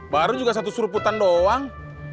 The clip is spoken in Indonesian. baru juga satu seruputan doang